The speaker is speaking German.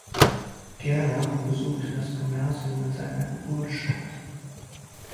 Gerlach besuchte das Gymnasium in seiner Geburtsstadt.